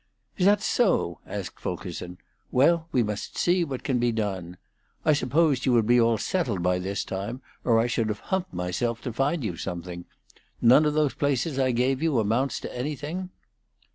"Is that so?" asked Fulkerson. "Well, we must see what can be done. I supposed you would be all settled by this time, or I should have humped myself to find you something. None of those places I gave you amounts to anything?"